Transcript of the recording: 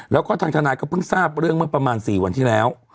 แล้วก็ทางทนายก็เพิ่งทราบเรื่องเมื่อประมาณ๔วันที่แล้ว